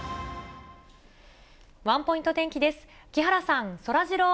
ワンポイント天気です。